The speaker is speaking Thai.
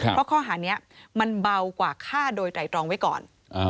เพราะข้อหานี้มันเบากว่าฆ่าโดยไตรตรองไว้ก่อน